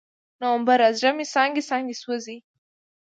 نومبره، زړه مې څانګې، څانګې سوزي